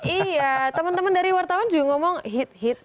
iya teman teman dari wartawan juga ngomong hits hits hits